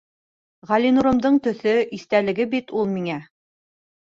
Ғәлинурымдың төҫө, иҫтәлеге бит ул миңә.